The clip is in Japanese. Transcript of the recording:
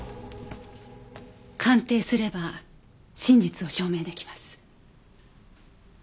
鑑定すれば真実を証明できます。